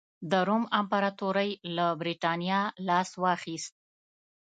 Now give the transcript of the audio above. د روم امپراتورۍ له برېټانیا لاس واخیست.